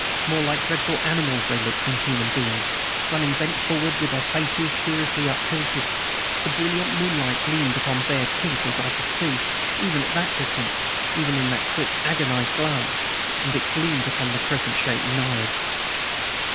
More like dreadful animals they looked than human beings, running bent forward, with their faces curiously uptilted. The brilliant moonlight gleamed upon bared teeth, as I could see, even at that distance, even in that quick, agonized glance, and it gleamed upon the crescent shaped knives.